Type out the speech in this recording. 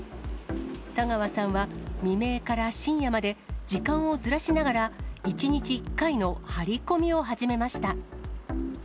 田川さんは未明から深夜まで、時間をずらしながら１日１回の張り込みを始めました。